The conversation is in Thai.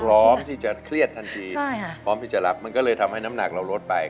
พร้อมที่จะเครียดทันทีพร้อมที่จะรับมันก็เลยทำให้น้ำหนักเราลดไป